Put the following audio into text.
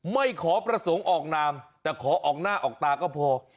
ไม่ขอประสงค์ออกนามแต่ขอออกหน้าออกตาก็พอ